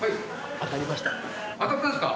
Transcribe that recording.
当たったんですか？